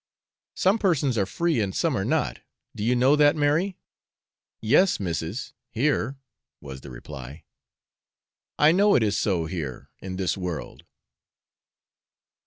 'Some persons are free and some are not do you know that, Mary?' 'Yes, missis, here,' was the reply; 'I know it is so here, in this world.'